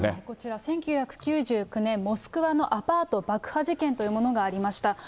こちら１９９９年、モスクワのアパート爆破事件というものがありました。